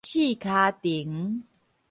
四跤亭